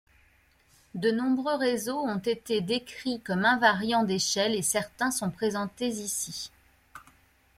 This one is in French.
De nombreux réseaux ont été décrits comme invariants d'échelle et certains sont présentés ici.